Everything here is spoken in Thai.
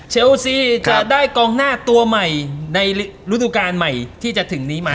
เชลซีจะได้กองหน้าตัวใหม่ในฤดูการใหม่ที่จะถึงนี้ไหม